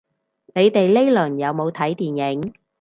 你哋呢輪有冇睇電影